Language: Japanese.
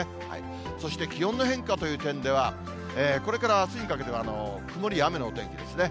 そして気温の変化という点では、これからあすにかけては曇りや雨のお天気ですね。